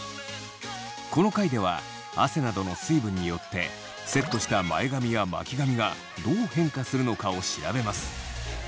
この回では汗などの水分によってセットした前髪や巻き髪がどう変化するのかを調べます。